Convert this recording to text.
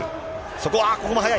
そこは、ああ、ここも速い。